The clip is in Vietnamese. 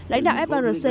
lãnh đạo firc